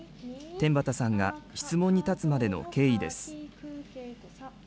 天畠さんが質問に立つまでの経緯です。